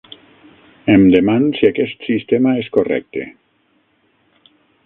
Em deman si aquest sistema és correcte.